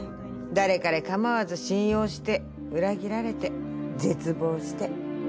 誰彼構わず信用して裏切られて絶望して。